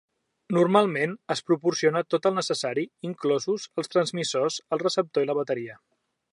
Normalment, es proporciona tot el necessari, inclosos el transmissor, el receptor i la bateria.